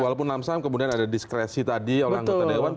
walaupun lamsam kemudian ada diskresi tadi orang orang ketua dewan